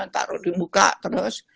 taruh dibuka terus